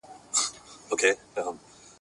نیمي مړۍ ته تر بازاره یوسي !.